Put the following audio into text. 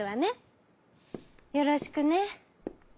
「よろしくね。